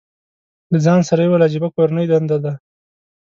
له ځان سره یې وویل، عجیبه کورنۍ دنده ده.